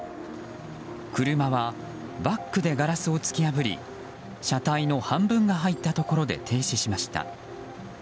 車はバックでガラスを突き破り車体の半分が入ったところで停止しました。